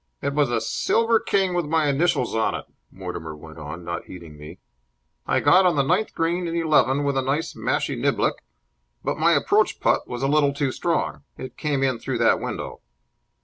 "It was a Silver King with my initials on it," Mortimer went on, not heeding me. "I got on the ninth green in eleven with a nice mashie niblick, but my approach putt was a little too strong. It came in through that window."